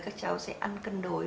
các cháu sẽ ăn cân đối